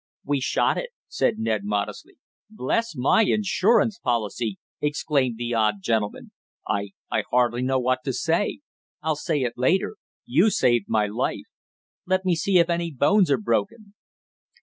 "We shot it," said Ned modestly. "Bless my insurance policy!" exclaimed the odd gentleman. "I I hardly know what to say. I'll say it later. You saved my life. Let me see if any bones are broken."